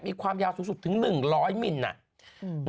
มีความยาวสูงสุดถึง๑๐๐มิล